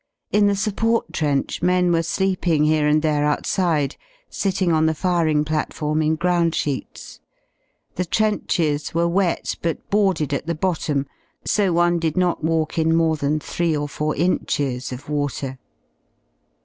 In the support trench men were sleeping here and there outside, sitting on the firing platform in groundsheets. The trenches were wet but boarded at the bottom, so one did not walk in more than three or four inches of water.